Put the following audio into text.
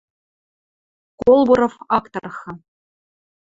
Колбуров ак тырхы: